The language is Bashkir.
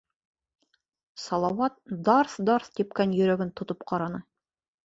- Салауат дарҫ-дарҫ типкән йөрәген тотоп ҡараны.